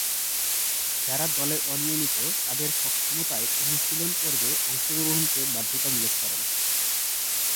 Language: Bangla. যারা দলে অনিয়মিত, তাদের সক্ষমতায় অনুশীলন-পর্বে অংশগ্রহণকে বাধ্যতামূলক করেন।